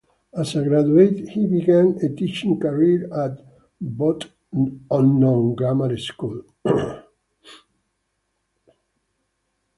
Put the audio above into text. As a graduate, he began a teaching career at Botwnnog grammar school.